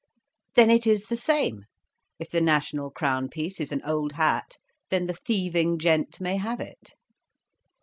"Then it is the same. If the national crown piece is an old hat, then the thieving gent may have it."